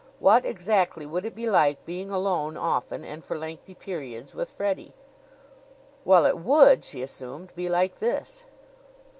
What exactly would it be like, being alone often and for lengthy periods with Freddie? Well, it would, she assumed, be like this.